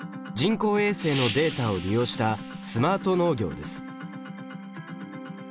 人工衛星のデータを利用したスマート農業です。